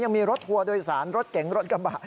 รถทัวร์โดยสารรถเก๋งรถกระบะ